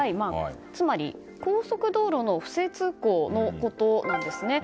つまり、高速道路の不正通行のことなんですね。